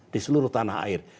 di seluruh tanah air